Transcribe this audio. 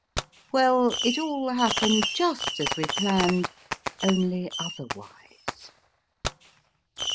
Well, it all happened just as we planned, only otherwise